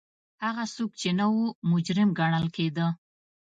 هغه څوک چې نه وو مجرم ګڼل کېده